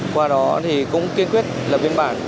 qua đó thì cũng kiên quyết lập biên bản